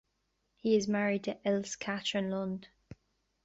He is married to Else-Cathrine Lund.